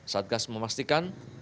satgas memastikan korban